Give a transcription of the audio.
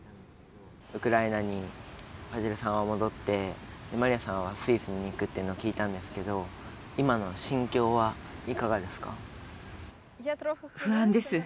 ウクライナにファジレさんは戻って、マリアさんはスイスに行くっていうのを聞いたんですけれども、不安です。